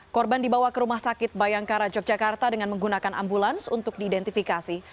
korban dibawa ke rumah sakit bayangkara yogyakarta dengan menggunakan ambulans untuk diidentifikasi